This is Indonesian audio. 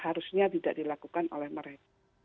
harusnya tidak dilakukan oleh mereka